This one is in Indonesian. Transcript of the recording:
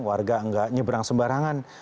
warga nggak nyebrang sembarangan